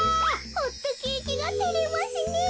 ホットケーキがてれますねえ。